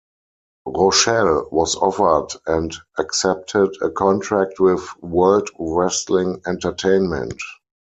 Rochelle was offered and accepted a contract with World Wrestling Entertainment.